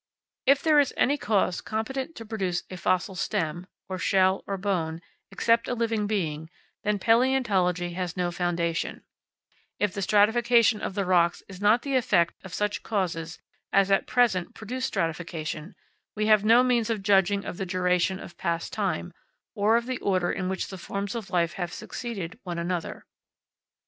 If there is any cause competent to produce a fossil stem, or shell, or bone, except a living being, then palaeontology has no foundation; if the stratification of the rocks is not the effect of such causes as at present produce stratification, we have no means of judging of the duration of past time, or of the order in which the forms of life have succeeded one another.